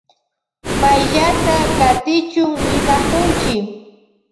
Payllata katichun ninakunchi.